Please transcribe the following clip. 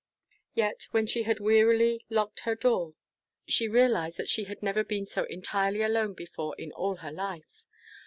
Yet, when she had wearily locked her door, she realized that she had never been so entirely alone before in all her life.